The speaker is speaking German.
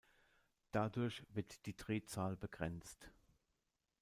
Dadurch wird die Drehzahl begrenzt.